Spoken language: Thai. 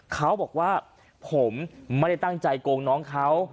เขาบอกว่าผมไม่ได้ตั้งใจโกงน้องเขา